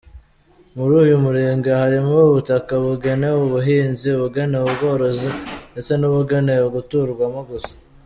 Muri uyu Murenge harimo ubutaka bugenewe ubuhinzi, ubugenewe ubworozi, ndetse n’ubugenewe guturwamo gusa.